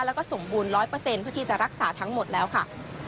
แล้วก็สมบูรณ์๑๐๐เพื่อที่จะรักษาทั้งหมดแล้วค่ะ